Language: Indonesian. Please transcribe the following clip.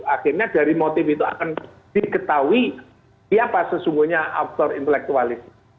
akhirnya dari motif itu akan diketahui siapa sesungguhnya aktor intelektualis